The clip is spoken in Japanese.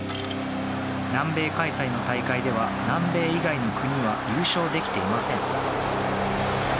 南米開催の大会では、南米以外の国は優勝できていません。